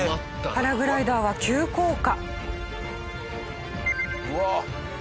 パラグライダーは急降下。